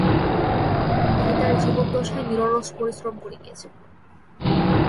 তিনি তাঁর জিবৎূদশায় নিরলস পরিশ্রম করে গেছেন।